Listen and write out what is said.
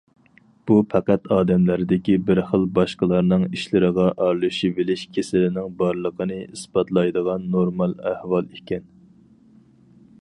بۇ پەقەت ئادەملەردىكى بىر خىل باشقىلارنىڭ ئىشلىرىغا ئارىلىشىۋېلىش كېسىلىنىڭ بارلىقىنى ئىسپاتلايدىغان نورمال ئەھۋال ئىكەن.